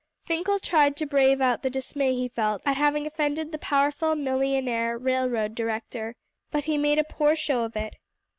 Finkle tried to brave out the dismay he felt at having offended the powerful millionaire railroad director, but he made but a poor show of it.